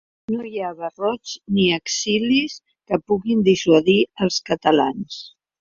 No hi ha barrots ni exilis que puguin dissuadir els catalans.